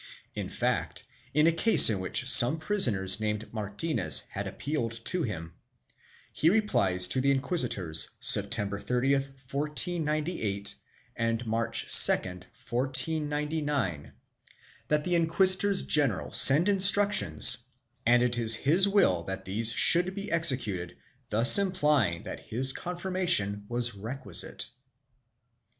In fact, in a case in which some prisoners named Martinez had appealed to him, he replies to the inquisitors, September 30, 1498, and March 2, 1499, that the inquisitors general send instructions and it is his will that these should be executed, thus implying that his confirmation was requisite.